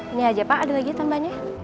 ini aja pak ada lagi tambahnya